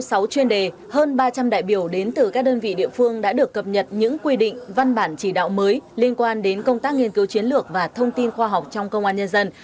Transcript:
sau sáu chuyên đề hơn ba trăm linh đại biểu đến từ các đơn vị địa phương đã được cập nhật những quy định văn bản chỉ đạo mới liên quan đến công tác nghiên cứu chiến lược và thông tin khoa học trong công an nhân dân